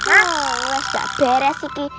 aneh aneh gak beres iki